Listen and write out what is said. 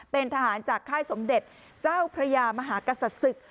เป็นทหารจากค่ายสมเด็จเจ้าพระยามหากษัตริย์ศึก